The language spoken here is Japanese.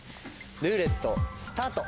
ルーレットスタート！